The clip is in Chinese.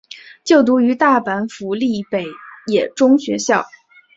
就读于大阪府立北野中学校。